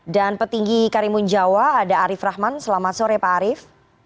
dan petinggi karimun jawa ada arif rahman selamat sore pak arif